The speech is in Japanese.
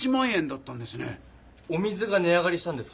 お水がね上がりしたんですか？